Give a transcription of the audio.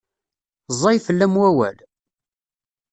Ẓẓay fell-am wawal?